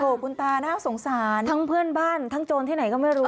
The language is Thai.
โอ้โหคุณตาน่าสงสารทั้งเพื่อนบ้านทั้งโจรที่ไหนก็ไม่รู้